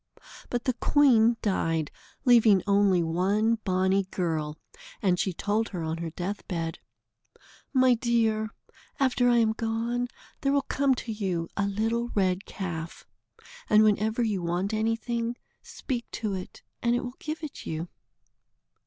But the queen died, leaving only one bonny girl, and she told her on her death bed: "My dear, after I am gone, there will come to you a little red calf, and whenever you want anything, speak to it, and it will give it you."